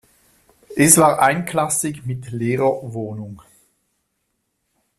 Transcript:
Es war einklassig mit Lehrerwohnung.